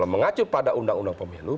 mengacu pada undang undang pemilu